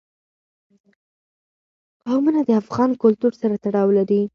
قومونه د افغان کلتور سره تړاو لري.